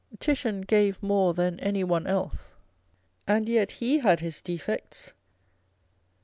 Titian gave more than any one else, and yet he had his defects.